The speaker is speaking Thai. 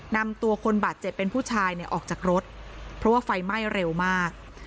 นำตัวคนบาดเจ็บเป็นผู้ชายเนี่ยออกจากรถเพราะว่าไฟไหม้เร็วมาก